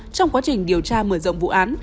trong quá trình điều tra mở rộng vụ án